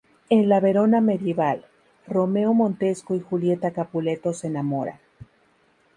En la Verona medieval, Romeo Montesco y Julieta Capuleto se enamoran.